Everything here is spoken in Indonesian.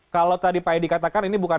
kalau tadi pak edi katakan ini bukan